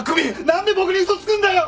何で僕に嘘つくんだよ！